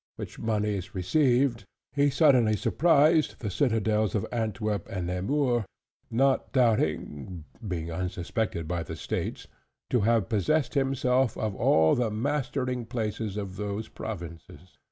Which monies received, he suddenly surprised the citadels of Antwerp and Nemours: not doubting (being unsuspected by the states) to have possessed himself of all the mastering places of those provinces.